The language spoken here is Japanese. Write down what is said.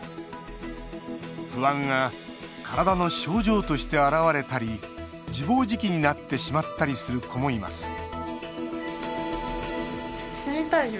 不安が体の症状として現れたり自暴自棄になってしまったりする子もいます